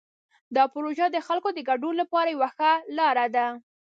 دا پروژه د خلکو د ګډون لپاره یوه ښه لاره ده.